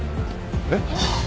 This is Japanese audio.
えっ？